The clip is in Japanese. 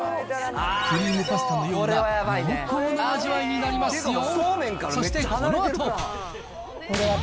クリームパスタのような濃厚な味わいになりますよ。